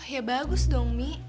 ya bagus dong mi